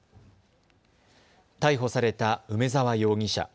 逮捕された梅澤容疑者。